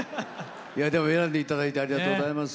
でも、選んでいただいてありがとうございます。